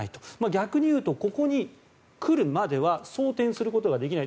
逆に言うと、ここに来るまでは装てんすることができない